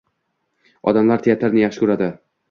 Odamlar teatrni yaxshi ko‘radi